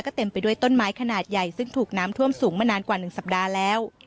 เต็มไปด้วยต้นไม้ขนาดใหญ่ซึ่งถูกน้ำท่วมสูงมานานกว่า๑สัปดาห์แล้ว